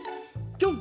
ぴょん！